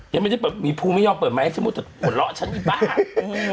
ยังไม่ได้เปิดมีภูมิไม่ยอมเปิดไม๊สมมติจะหวนเหลาะฉันอยู่บ้าง